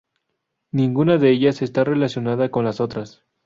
Ninguna de ellas está relacionada con las otras.